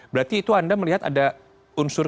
berarti itu anda melihat ada unsur